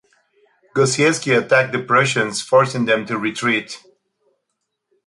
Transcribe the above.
Gosiewski attacked the Prussians, forcing them to retreat.